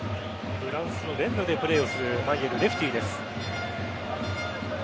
フランスのレンヌでプレーをするマイェルレフティーです。